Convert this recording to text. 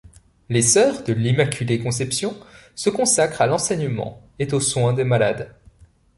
Les sœurs de l'Immaculée Conception se consacrent à l'enseignement et aux soins des malades.